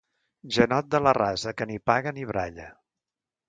Janot de la rasa, que ni paga ni baralla.